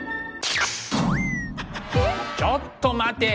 ちょっと待て！